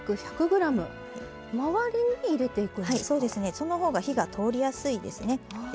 その方が火が通りやすいですね。